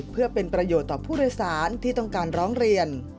เพื่อเป็นประโยชน์ต่อผู้โดยสารที่ต้องการร้องเรียน